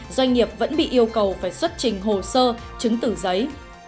doanh nghiệp vẫn bị yêu cầu phải xuất trình hồ sơ chứng tử giấy